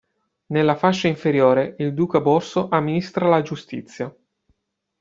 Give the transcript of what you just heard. Nella fascia inferiore il duca Borso amministra la giustizia.